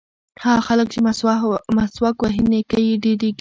هغه خلک چې مسواک وهي نیکۍ یې ډېرېږي.